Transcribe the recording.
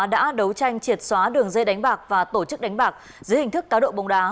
đã đấu tranh triệt xóa đường dây đánh bạc và tổ chức đánh bạc dưới hình thức cá độ bóng đá